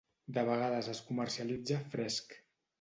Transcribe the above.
De vegades es comercialitza fresc.